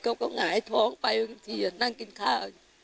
หงายท้องไปบางทีนั่งกินข้าว